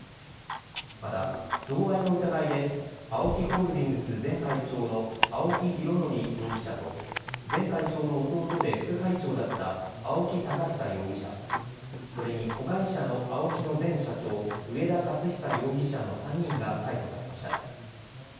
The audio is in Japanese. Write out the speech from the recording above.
また贈賄の疑いでＡＯＫＩホールディングス前会長の青木拡憲容疑者と前会長の弟で副会長だった青木寶久容疑者、それに子会社のＡＯＫＩの前社長、上田雄久容疑者の３人が逮捕されました。